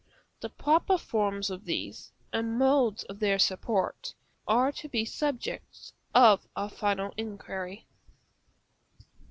The proper forms of these, and modes of their support, are to be the subject of our final enquiry.